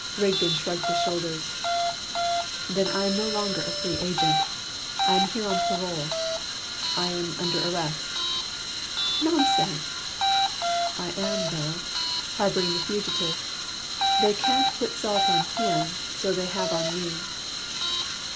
Rigden shrugged his shoulders. "Then I am no longer a free agent. I am here on parole. I am under arrest." "Nonsense!" "I am, though: harbouring the fugitive! They can't put salt on him, so they have on me."